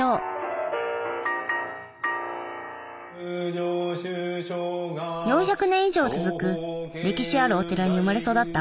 ４００年以上続く歴史あるお寺に生まれ育った青江さん。